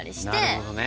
なるほどね。